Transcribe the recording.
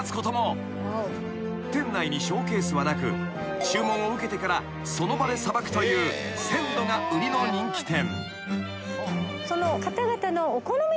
［店内にショーケースはなく注文を受けてからその場でさばくという鮮度が売りの人気店］